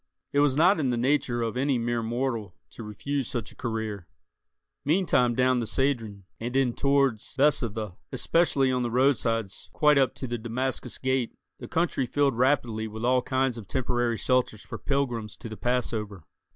It was not in the nature of any mere mortal to refuse such a career. Meantime down the Cedron, and in towards Bezetha, especially on the roadsides quite up to the Damascus Gate, the country filled rapidly with all kinds of temporary shelters for pilgrims to the Passover.